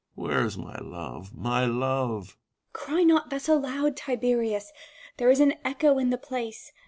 Where is my love? — my love? Vipsania. Cry not thus aloud, Tiberius ! there is an echo in the place.